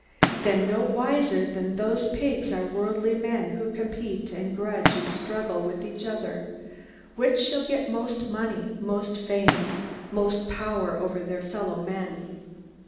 Then no wiser than those pigs are worldly men who compete, and grudge, and struggle with each other, which shall get most money, most fame, most power over their fellow men.